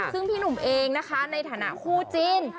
ซึ่งพี่หนุ่มเองนะคะในฐานะคู่จิ้น